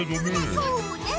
そうねえ。